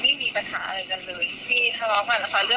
ก็คุยดีนะคุยปกติมากเลยค่ะไม่มีปัญหาอะไรกันเลย